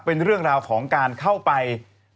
เป็นเรื่องราวของการเข้าไป